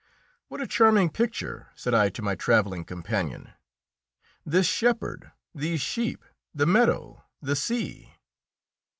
"What a charming picture!" said I to my travelling companion. "This shepherd, these sheep, the meadow, the sea!"